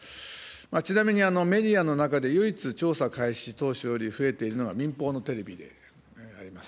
ちなみに、メディアの中で唯一、調査開始当初より増えているのが民放のテレビであります。